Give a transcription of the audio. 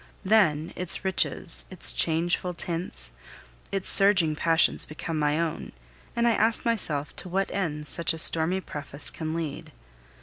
Then, its riches, its changeful tints, its surging passions become my own, and I ask myself to what end such a stormy preface can lead.